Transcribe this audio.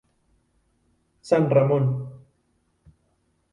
San Ramón.